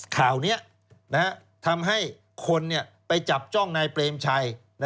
ข่าวนี้ทำให้คนไปจับจ้องนายเปรมชัย